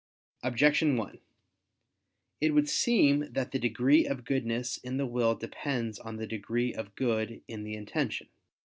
Objection 1: It would seem that the degree of goodness in the will depends on the degree of good in the intention.